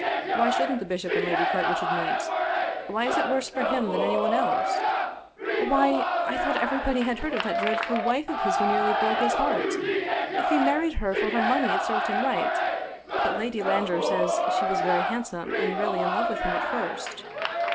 Why shouldn't the bishop and Lady Carwitchet meet ? Why is it worse for him than any one else ?"" Why ? I thought everybody had heard of that dreadful wife of his who nearly broke his heart. If he married her for her money it served him right, but Lady Landor says she was very handsome and really in love with him at first.